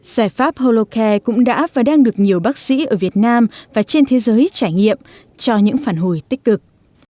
giải pháp holocare cũng đã và đang được nhiều bác sĩ ở việt nam và trên thế giới trải nghiệm cho những phản hồi tích cực